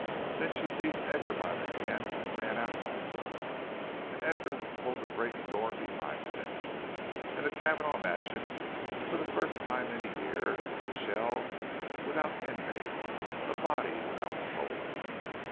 Then she seized Edgar by the hand and ran out also; and Edgar pulled the great door to behind them, and the Cavanagh mansion, for the first time in a year, was a shell without inmates, a body without soul.